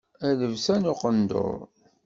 A lebsa n uqendur.